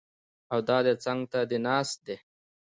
او دا دی څنګ ته دې ناست دی!